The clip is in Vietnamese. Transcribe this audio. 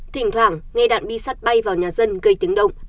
thỉnh thoảng nghe đạn bi sắt bay vào nhà dân gây tiếng động